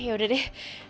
ya udah deh